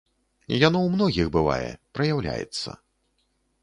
Яно ў многіх бывае, праяўляецца.